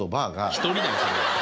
１人だよそれ。